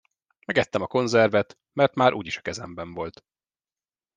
Megettem a konzervet, mert már úgyis a kezemben volt.